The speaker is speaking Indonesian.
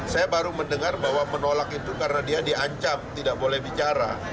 saya baru mendengar bahwa menolak itu karena dia diancam tidak boleh bicara